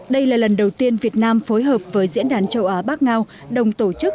đây là lần đầu tiên việt nam phối hợp với diễn đàn châu á bắc ngao đồng tổ chức